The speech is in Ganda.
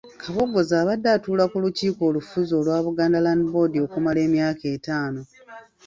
Kabogoza abadde atuula ku lukiiko olufuzi olwa Buganda Land Board okumala emyaka etaano.